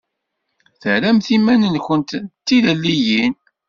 Terramt iman-nkumt d tilelliyin.